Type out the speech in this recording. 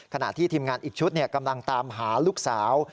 ขณะที่ทีมงานอีกชุดกำลังตามหาลูกสาว